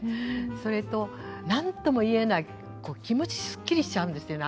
それと何とも言えない気持ちすっきりしちゃうんですよね